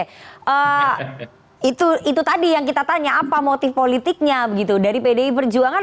oke itu tadi yang kita tanya apa motif politiknya begitu dari pdi perjuangan